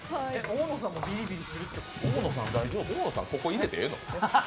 大野さん、ここ入れてええの？